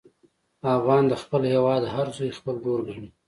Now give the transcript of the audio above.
افغان د خپل هېواد هر زوی خپل ورور ګڼي.